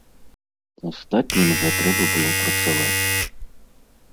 Астатнім жа трэба было працаваць.